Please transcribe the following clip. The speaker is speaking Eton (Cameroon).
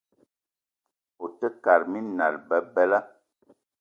Ote kate minal bebela.